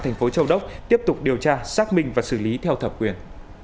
thành phố châu đốc tiếp tục điều tra xác minh và xử lý theo thẩm quyền